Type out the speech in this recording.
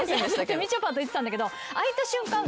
みちょぱと言ってたんだけど開いた瞬間。